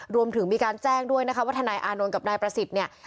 รวมถึงมีการแจ้งด้วยว่าทนายอานนท์กับนายประสิทธิ์อาจถูกคุมตัวไปที่ค่ายกาวีระ